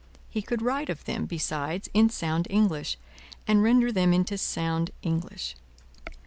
He could write of them, besides, in sound English, and render them into sound English.